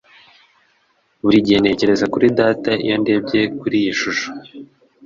Buri gihe ntekereza kuri data iyo ndebye kuri iyi shusho.